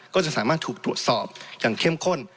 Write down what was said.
ก็จะถูกสอบอย่างเข้มข้น